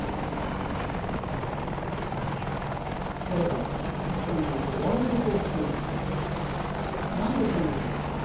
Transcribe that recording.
だから極端に言うと悪いことをしている人も何でそれをやるんだ？